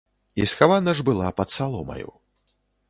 І схавана ж была пад саломаю.